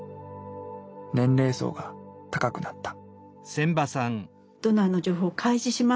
年齢層が高くなった。